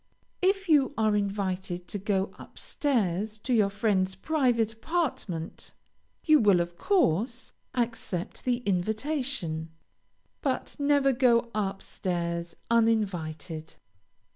If you are invited to go up stairs to your friend's private apartment, you will, of course, accept the invitation, but never go up stairs uninvited.